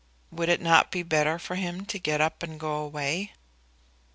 Would it not be better for him to get up and go away?